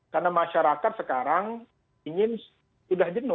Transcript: karena masyarakat sekarang ingin sudah jenuh